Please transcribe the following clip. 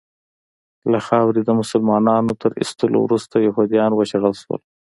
له خاورې د مسلمانانو تر ایستلو وروسته یهودیان وشړل سول.